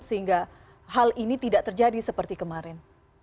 sehingga hal ini tidak terjadi seperti kemarin